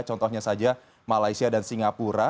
contohnya saja malaysia dan singapura